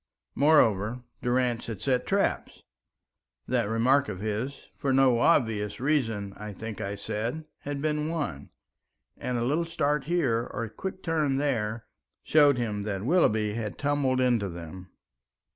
Moreover, Durrance had set traps, that remark of his "for no obvious reason, I think I said," had been one, and a little start here, or a quick turn there, showed him that Willoughby had tumbled into them.